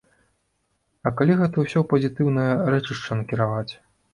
А калі гэта ўсё ў пазітыўнае рэчышча накіраваць?